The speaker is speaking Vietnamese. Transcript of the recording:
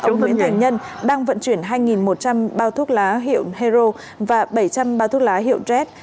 ông nguyễn thành nhân đang vận chuyển hai một trăm linh bao thuốc lá hiệu hero và bảy trăm linh bao thuốc lá hiệu red